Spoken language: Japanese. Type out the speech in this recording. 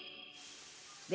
で